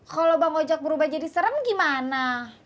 kalo pak mojak berubah jadi serem gimana